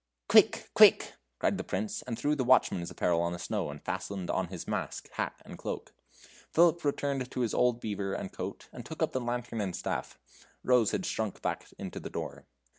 "Quick! quick!" cried the Prince, and threw the watchman's apparel on the snow and fastened on his mask, hat, and cloak. Philip returned to his old beaver and coat, and took up the lantern and staff. Rose had shrunk back into the door.